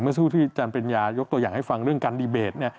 เหมือนสู่ที่จานเป็นยายกตัวอย่างให้ฟังเรื่องการดีเบตเนี้ยค่ะ